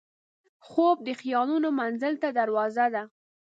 خوب د خیالاتو مزل ته دروازه ده